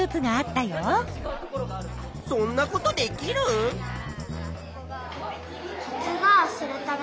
そんなことできルン？